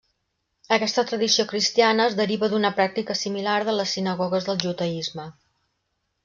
Aquesta tradició cristiana es deriva d'una pràctica similar de les sinagogues del judaisme.